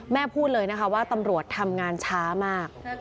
พูดเลยนะคะว่าตำรวจทำงานช้ามาก